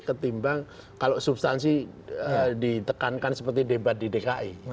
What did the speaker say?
ketimbang kalau substansi ditekankan seperti debat di dki